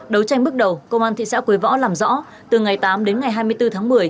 đấu tranh bước đầu công an thị xã quế võ làm rõ từ ngày tám đến ngày hai mươi bốn tháng một mươi